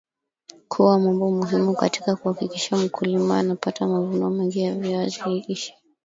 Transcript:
kuna mambo muhimu katika kuhakikisha mmkulima anapata mavuno mengi ya viazi lishe